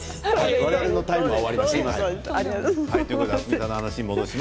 我々のタイムは終わりました。